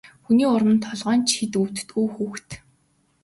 Хүний урманд толгой нь ч өвддөггүй хүүхэд.